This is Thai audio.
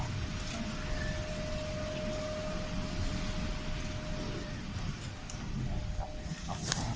ไม่ต่อไป